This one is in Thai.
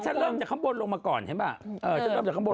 ฉันเริ่มจากข้างบนลงมาก่อน